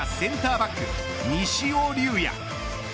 バック西尾隆矢。